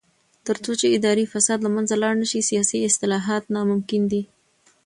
تر څو چې اداري فساد له منځه لاړ نشي، سیاسي اصلاحات ناممکن دي.